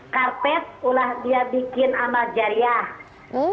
karena dia karpet dia bikin amal jariah